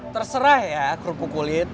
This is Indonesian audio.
terserah ya kerupuk kulit